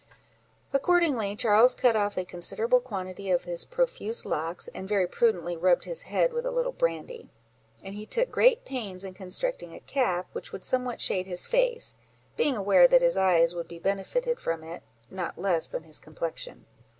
Accordingly, Charles cut off a considerable quantity of his profuse locks, and very prudently rubbed his head with a little brandy; and he took great pains in constructing a cap, which would somewhat shade his face, being aware that his eyes would be benefited from it, not less than his complexion.